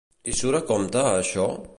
I surt a compte, això?